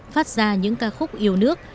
phát ra những ca khúc yêu nước